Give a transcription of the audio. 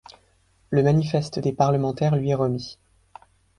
Le manifeste des parlementaires lui est remis.